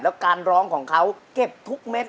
แล้วการร้องของเขาเก็บทุกเม็ด